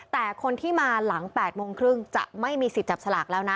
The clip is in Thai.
แต่คนที่มาหลัง๘โมงครึ่งจะไม่มีสิทธิ์จับสลากแล้วนะ